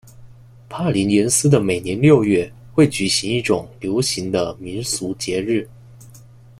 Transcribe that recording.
帕林廷斯的每年六月会举行一种流行的民俗节日。